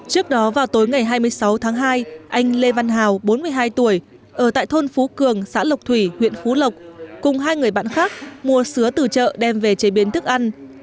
trước đó vào tối ngày hai mươi sáu tháng hai anh lê văn hào bốn mươi hai tuổi ở tại thôn phú cường xã lộc thủy huyện phú lộc cùng hai người bạn khác mua sứa từ chợ đem về chế biến thức ăn